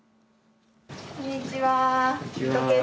こんにちは。